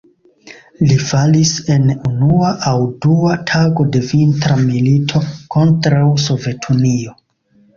Li falis en unua aŭ dua tago de Vintra milito kontraŭ Sovetunio.